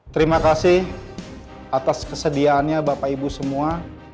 terima kasih atas kesediaannya bapak ibu semua